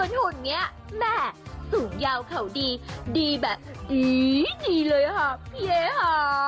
ส่วนหุ่นเนี้ยแม่สูงยาวเขาดีดีแบบดีดีเลยฮอพี่เอ๋ฮอ